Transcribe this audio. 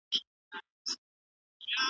زه اجازه لرم چي شګه پاک کړم